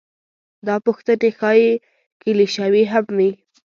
دا پوښتنې ښايي کلیشوي هم وي.